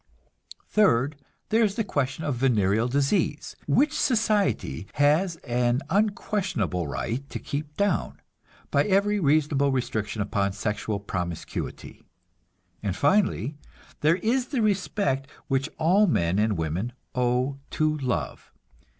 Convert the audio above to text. Third, there is the question of venereal disease, which society has an unquestionable right to keep down, by every reasonable restriction upon sexual promiscuity. And finally, there is the respect which all men and women owe to love.